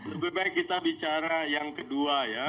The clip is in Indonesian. lebih baik kita bicara yang kedua ya